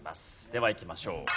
ではいきましょう。